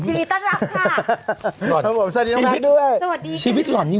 ยินดีต้อนรับค่ะครับผมสวัสดีทั้งหมดด้วยสวัสดีค่ะชีวิตหล่อนนี่